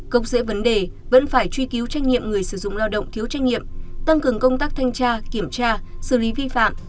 cộng dễ vấn đề vẫn phải truy cứu trách nhiệm người sử dụng lao động thiếu trách nhiệm tăng cường công tác thanh tra kiểm tra xử lý vi phạm